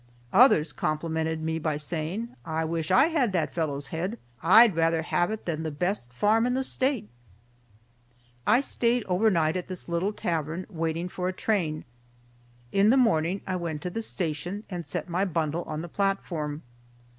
Others complimented me by saying, "I wish I had that fellow's head. I'd rather have it than the best farm in the State." I stayed overnight at this little tavern, waiting for a train. In the morning I went to the station, and set my bundle on the platform.